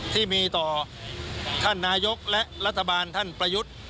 ที่มีต่อท่านนายกและรัฐบาลท่านประยุทธ์